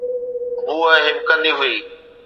هوءَ هٻڪندي هئي.